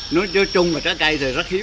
nói chung là trái cây thì rất hiếm